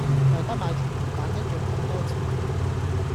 大家買串魚蛋一樣咁多錢